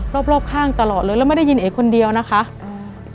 รอบรอบข้างตลอดเลยแล้วไม่ได้ยินเอกคนเดียวนะคะอ่า